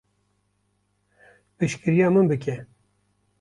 Piştgiriya min bike.